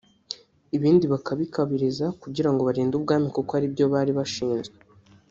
ibindi bakabikabiriza kugira ngo barinde ubwami kuko aribyo bari bashinzwe